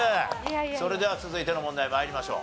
それでは続いての問題参りましょう。